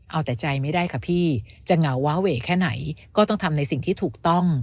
เอาแต่ใจไม่ได้ค่ะพี่จะเหงาว้าเวแค่ไหนก็ต้องทำในสิ่งที่ถูกต้อง